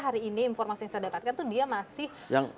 hari ini informasi yang saya dapatkan itu dia masih